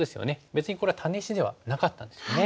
別にこれはタネ石ではなかったんですよね。